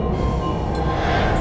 yang yang luar biasa